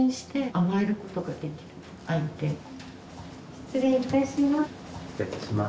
失礼いたします。